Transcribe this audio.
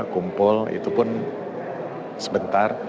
kumpul itu pun sebentar